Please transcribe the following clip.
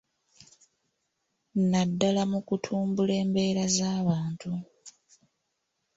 Naddala mu kutumbula embeera z’abantu.